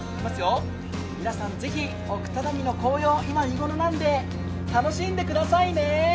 皆さん、ぜひ奥只見の紅葉、今、見ごろなので楽しんでくださいね。